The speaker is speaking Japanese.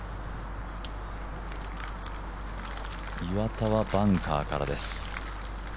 岩田はバンカーからです。